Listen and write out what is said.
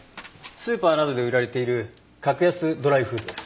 スーパーなどで売られている格安ドライフードです。